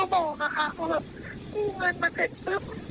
แล้วก็มีคนอื่นอะไรอย่างนี้ค่ะ